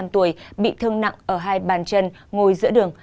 tuổi bị thương nặng ở hai bàn chân ngồi giữa đường